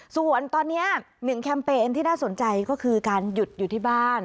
ส่วนตอนนี้๑แคมเปญที่น่าสนใจก็คือการหยุดอยู่ที่บ้าน